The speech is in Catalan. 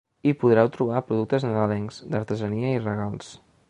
Hi podreu trobar productes nadalencs, d’artesania i regals.